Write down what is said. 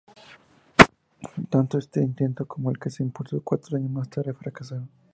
Tanto este intento como el que se impulsó cuatro años más tarde fracasaron.